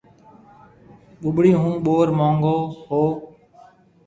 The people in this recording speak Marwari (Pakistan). ٻُٻڙِي ھون ٻور مونگو ھو